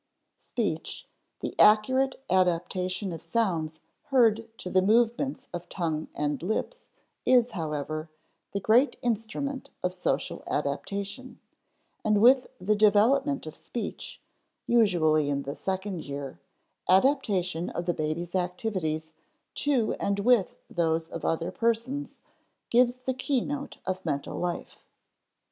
Speech, the accurate adaptation of sounds heard to the movements of tongue and lips, is, however, the great instrument of social adaptation; and with the development of speech (usually in the second year) adaptation of the baby's activities to and with those of other persons gives the keynote of mental life.